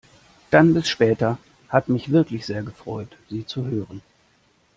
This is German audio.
Dann bis später. Hat mich wirklich sehr gefreut Sie zu hören!